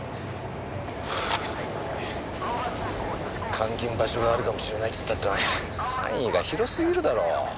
監禁場所があるかもしれないっつったっておい範囲が広すぎるだろう。